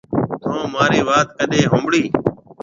ٿُون مهارِي وات ڪڏي هونبڙِي۔